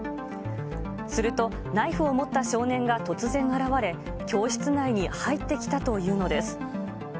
すると、ナイフを持った少年が突然現れ、教室内に入ってきたというのです。